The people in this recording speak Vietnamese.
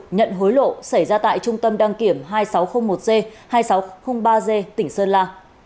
nhận hối lộ xảy ra tại trung tâm đăng kiểm hai nghìn sáu trăm linh một g hai nghìn sáu trăm linh ba g tỉnh sơn la